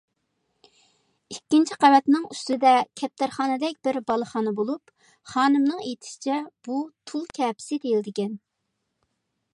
ئىككىنچى قەۋەتنىڭ ئۈستىدە كەپتەرخانىدەك بىر بالىخانا بولۇپ، خانىمنىڭ ئېيتىشىچە بۇ تۇل كەپىسى دېيىلىدىكەن.